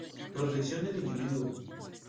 Protección del individuo.